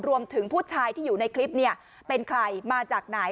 รวมถึงผู้ชายที่อยู่ในคลิปเป็นใครมาจากไหน